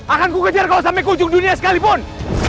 akan ku kejar kau sampai kunjung dunia sekalipun